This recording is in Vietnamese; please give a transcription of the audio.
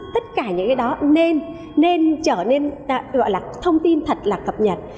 tất cả những cái đó nên trở nên gọi là thông tin thật là cập nhật